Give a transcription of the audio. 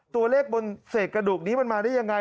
ตัวเลขบนเศษกระดูกนี้มันมาได้ยังไง